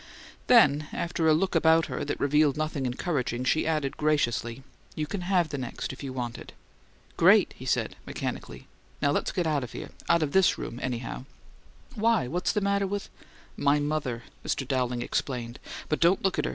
Then, after a look about her that revealed nothing encouraging, she added graciously, "You can have the next if you want it." "Great!" he exclaimed, mechanically. "Now let's get out of here out of THIS room, anyhow." "Why? What's the matter with " "My mother," Mr. Dowling explained. "But don't look at her.